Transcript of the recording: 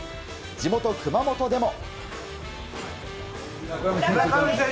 地元・熊本でも。